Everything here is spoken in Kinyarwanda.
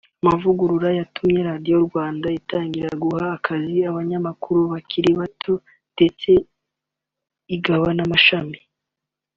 Amavugurura yatumye kandi Radio Rwanda itangira guha akazi abanyamakuru bakiri bato ndetse igaba n’amashami